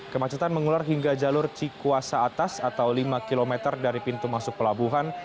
kemacetan mengular hingga jalur cikuasa atas atau lima km dari pintu masuk pelabuhan